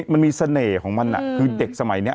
มันมีเสน่ห์ของมันคือเด็กสมัยนี้